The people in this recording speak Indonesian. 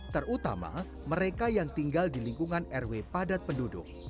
terutama mereka yang tinggal di lingkungan rw padat penduduk